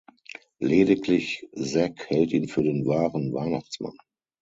Lediglich Zack hält ihn für den wahren Weihnachtsmann.